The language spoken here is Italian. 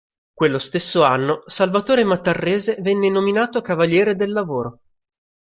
Quello stesso anno, Salvatore Matarrese venne nominato cavaliere del lavoro.